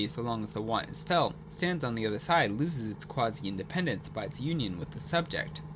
e. so long as the want is felt, stands on the other side, loses this quasi independence, by its union with the subject.